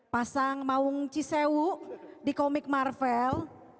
pasang maung cisewu di komik marvel